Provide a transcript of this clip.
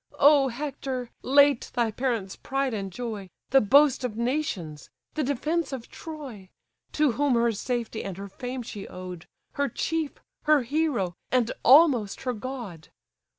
O Hector! late thy parents' pride and joy, The boast of nations! the defence of Troy! To whom her safety and her fame she owed; Her chief, her hero, and almost her god!